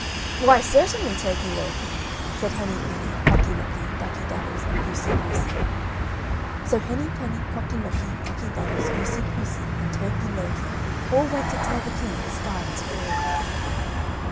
"Why, certainly, Turkey lurkey," said Henny penny, Cocky locky, Ducky daddles, and Goosey poosey. So Henny penny, Cocky locky, Ducky daddles, Goosey poosey and Turkey lurkey all went to tell the king the sky was a falling.